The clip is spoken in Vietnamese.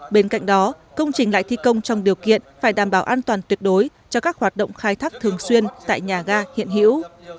bên cạnh đó công trình lại thi công trong điều kiện phải đảm bảo an toàn tuyệt đối cho các hoạt động khai thác thường xuyên tại nhà ga hiện hữu